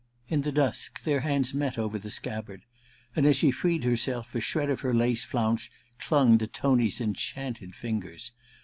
In the dusk their hands met over the scabbard, and as she freed herself a shred of her lace flounce clung to Tony's enchanted fingers.